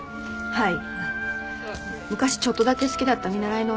はい。